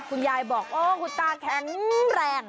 คุณยายบอกโอ้คุณตาแข็งแรง